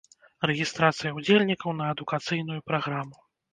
Рэгістрацыя ўдзельнікаў на адукацыйную праграму.